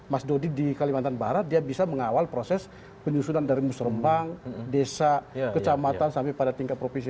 mas dodi di kalimantan barat dia bisa mengawal proses penyusunan dari musrembang desa kecamatan sampai pada tingkat provinsi